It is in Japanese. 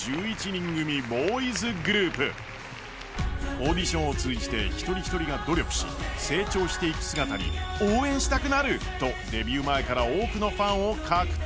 オーディションを通じて一人一人が努力し成長していく姿に、応援したくなると、デビュー前から多くのファンを獲得。